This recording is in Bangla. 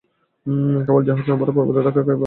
কেবল জাহাজ না পাহাড়-পর্বতে ধাক্কা খায়, এই বাঁচাতে হয়।